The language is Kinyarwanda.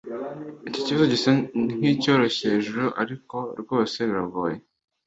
Iki kibazo gisa nkicyoroshye hejuru ariko rwose biragoye